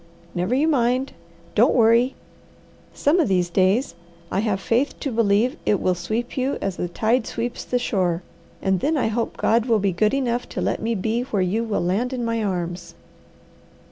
Never you mind! Don't worry! Some of these days I have faith to believe it will sweep you as a tide sweeps the shore, and then I hope God will be good enough to let me be where you will land in my arms."